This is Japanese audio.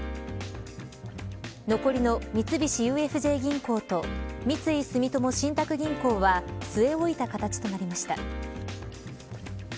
残りの三菱ＵＦＪ銀行と三井住友信託銀行は据え置いた形となりました。